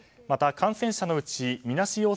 また感染者のうちみなし